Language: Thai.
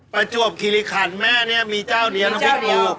ปะจวบคีริขาวแม่นี้มีเจ้าเดียวน้ำภิกษ์นี้